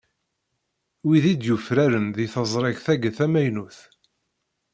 Wid i d-yufraren deg teẓrigt-agi tamaynut.